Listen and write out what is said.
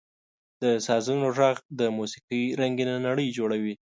• د سازونو ږغ د موسیقۍ رنګینه نړۍ جوړوي.